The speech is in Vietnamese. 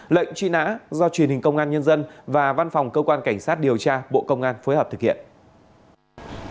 lệnh truy nã do truyền hình công an nhân dân và văn phòng cơ quan cảnh sát điều tra bộ công an phối hợp thực hiện